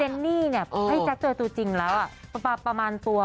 นี่เนี่ยให้แจ๊คเจอตัวจริงแล้วประมาณตัว